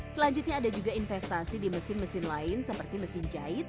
selanjutnya ada juga investasi di mesin mesin lain seperti mesin jahit